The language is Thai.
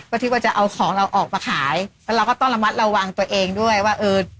ก็คิดว่าจะเอาของเราออกมาขายแล้วเราก็ต้องระมัดระวังตัวเองด้วยว่าเออ